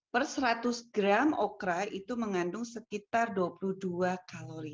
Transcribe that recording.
per seratus gram okra itu mengandung sekitar dua puluh dua kalori